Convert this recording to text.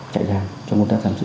chạy giam cho người ta tham dự